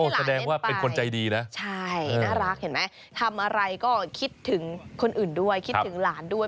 แสดงว่าเป็นคนใจดีนะใช่น่ารักเห็นไหมทำอะไรก็คิดถึงคนอื่นด้วยคิดถึงหลานด้วย